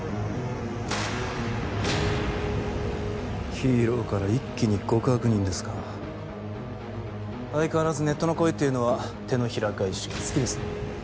ヒーローから一気に極悪人ですか相変わらずネットの声というのは手のひら返しが好きですね